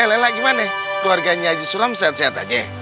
eh lela gimana ya keluarganya haji sulam sehat sehat aja